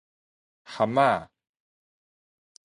蚶仔